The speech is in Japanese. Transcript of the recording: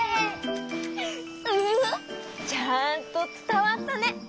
ウフフ！ちゃんとつたわったね！